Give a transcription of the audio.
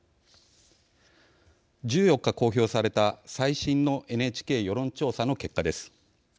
１４日、公表された最新のＮＨＫ世論調査の結果です。